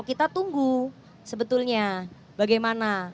kita tunggu sebetulnya bagaimana